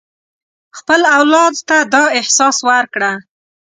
خپل اولاد ته دا احساس ورکړه.